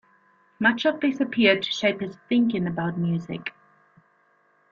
Much of this appeared to shape his thinking about music.